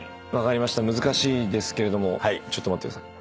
難しいですけれどもちょっと待ってください。